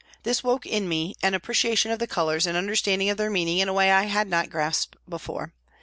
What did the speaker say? This woke in me an appreciation of the colours and under standing of their meaning in a way I had not grasped before.